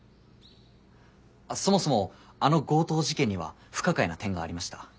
そもそもあの強盗事件には不可解な点がありました。